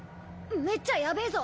めっちゃヤベえぞ！